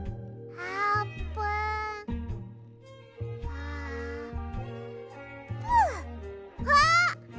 あーぷんっ！あっ！